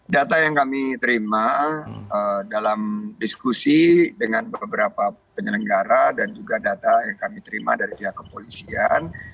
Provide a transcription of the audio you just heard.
data yang kami terima dalam diskusi dengan beberapa penyelenggara dan juga data yang kami terima dari pihak kepolisian